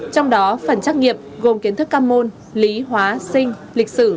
trong đó phần trắc nghiệm gồm kiến thức các môn lý hóa sinh lịch sử